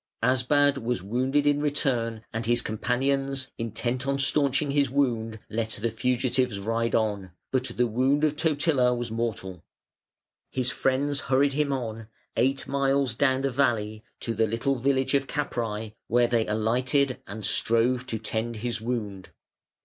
Asbad was wounded in return and his companions intent on staunching his wound let the fugitives ride on, but the wound of Totila was mortal. His friends hurried him on, eight miles down the valley, to the little village of Capræ, where they alighted and strove to tend his wound.